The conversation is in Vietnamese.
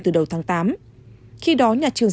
từ đầu tháng tám khi đó nhà trường